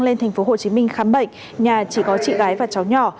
lên thành phố hồ chí minh khám bệnh nhà chỉ có chị gái và cháu nhỏ